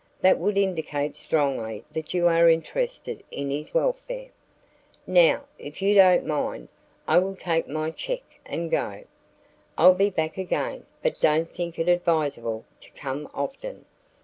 That would indicate strongly that you are interested in his welfare. "Now, if you don't mind, I will take my check and go. I'll be back again, but don't think it advisable to come often.